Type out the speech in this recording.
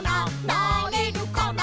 「なれるかな？